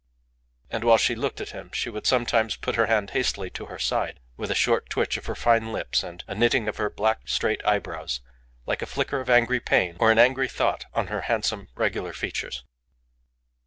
And while she looked at him she would sometimes put her hand hastily to her side with a short twitch of her fine lips and a knitting of her black, straight eyebrows like a flicker of angry pain or an angry thought on her handsome, regular features.